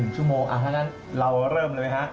๑๕๑ชั่วโมงถ้านะเราเริ่มเลยค่ะ